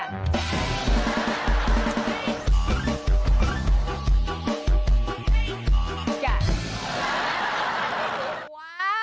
ว้าว